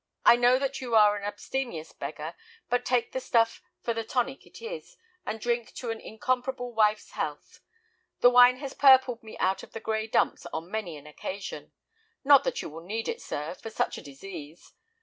I know that you are an abstemious beggar, but take the stuff for the tonic it is, and drink to an 'incomparable' wife's health. The wine has purpled me out of the gray dumps on many an occasion. Not that you will need it, sir, for such a disease.